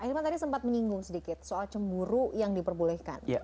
ahilman tadi sempat menyinggung sedikit soal cemburu yang diperbolehkan